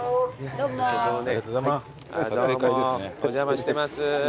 どうもお邪魔してます。